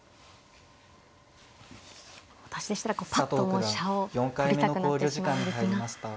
私でしたらぱっともう飛車を取りたくなってしまうんですが。